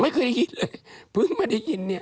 ไม่เคยคิดเลยเพิ่งมาได้ยินเนี่ย